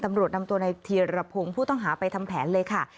ตำรวจนำตัวในธีรพงศ์ผู้ต้องหาไปทำแผนเลยค่ะ